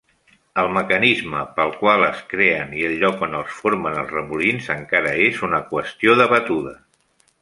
El mecanisme pel qual es creen i el lloc on els formen els remolins encara és una qüestió debatuda.